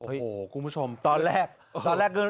โอ้โหคุณผู้ชมตอนแรก